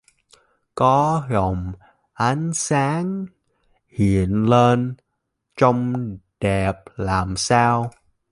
Có vòng ánh sáng hiện lên trông đẹp làm sao